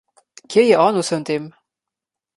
Kje je on v vsem tem?